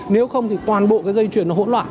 nếu không thì toàn bộ cái dây chuyển nó hỗn loạn